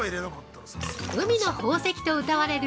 海の宝石とうたわれる